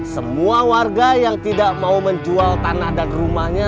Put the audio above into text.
semua warga yang tidak mau menjual tanah dan rumahnya